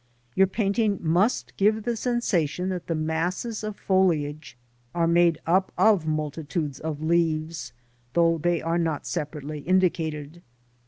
Yourpainting must give the sensation that the masses of foliage are made up of multitudes of leaves, though they are not separately indicated.